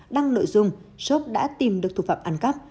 đăng nội dung shop đã tìm được thủ phạm ăn cắp